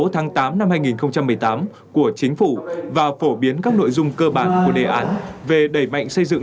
sáu tháng tám năm hai nghìn một mươi tám của chính phủ và phổ biến các nội dung cơ bản của đề án về đẩy mạnh xây dựng